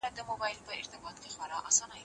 په پلي تګ کي د چا خبره نه ردېږي.